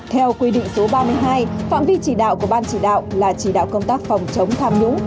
theo quy định số ba mươi hai phạm vi chỉ đạo của ban chỉ đạo là chỉ đạo công tác phòng chống tham nhũng